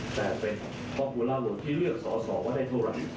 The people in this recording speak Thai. แต่เป็นปอปพูลาร์โหวตที่เลือกสอสอว่าได้เท่าไหร่